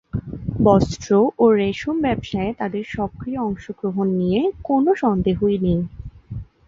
বস্ত্র ও রেশম ব্যবসায়ে তাদের সক্রিয় অংশগ্রহণ নিয়ে কোনো সন্দেহই নেই।